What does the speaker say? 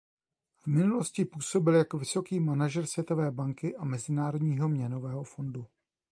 V minulosti působil jako vysoký manažer Světové banky a Mezinárodního měnového fondu.